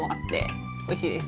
おいしいです。